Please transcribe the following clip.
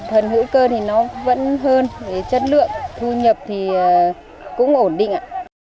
hình hữu cơ thì nó vẫn hơn chất lượng thu nhập thì cũng ổn định ạ